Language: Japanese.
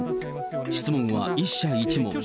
質問は１社１問。